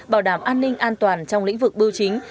bảo đảm an ninh an toàn trong lĩnh vực bưu chính